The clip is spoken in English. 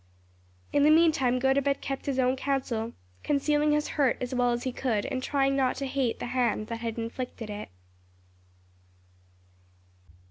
In the meantime Gotobed kept his own counsel, concealing his hurt as well as he could and trying not to hate the hand that had inflicted it.